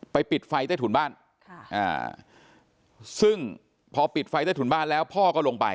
ปิดไฟใต้ถุนบ้านซึ่งพอปิดไฟใต้ถุนบ้านแล้วพ่อก็ลงไป